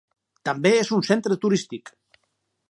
També és un centre turístic.